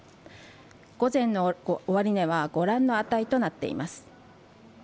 午前の終値はご覧の値となっています。